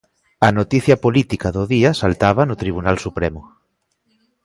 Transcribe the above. A noticia política do día saltaba no Tribunal Supremo.